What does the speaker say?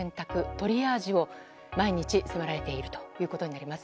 トリアージを毎日迫られているということになります。